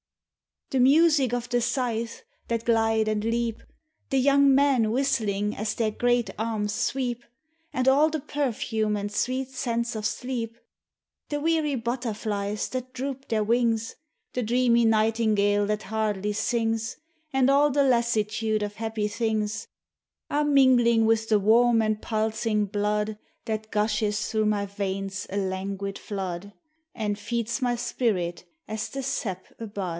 The music of the scythes that glide and leap, The young men whistling as their great arms sweep, And all the perfume and sweet sense of sleep, The weary butterllies that droop their wings, The dreamy nightingale that hardly sings, And all the lassitude of happy things, Are mingling with the warm and pulsing blood That gushes through my veins a languid Hood, And feeds my spirit as the sap a bud.